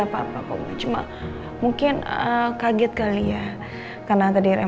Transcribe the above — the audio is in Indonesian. apa kata mama perut kamu sakit enggak papa cuma mungkin kaget kali ya karena tadi rem